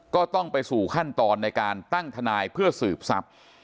ก็ต้องไปสู่ขั้นตอนในการตั้งทนายเพื่อสืบทรัพย์